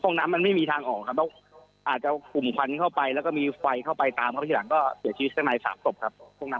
ห้องน้ำมันไม่มีทางออกครับอาจจะอุ่มควันเข้าไปแล้วก็มีไฟเข้าไปตามเขาทีหลังก็เสียชีวิตใน๓ศพครับ